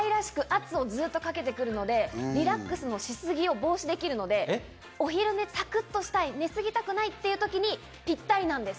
かわいらしく、ずっと圧をかけてくるので、リラックスのしすぎを防止できるので、お昼寝をサクッとしたい、寝過ぎたくないというときにぴったりなんです。